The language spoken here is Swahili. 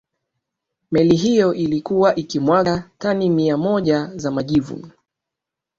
meli hiyo ilikuwa ikimwaga tani mia moja za majivu